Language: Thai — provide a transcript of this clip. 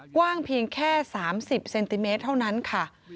กว้างเพียงแค่๓๐เซนติเมตรเท่านั้นค่ะ